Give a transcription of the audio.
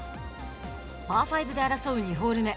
パー５で争う２ホール目。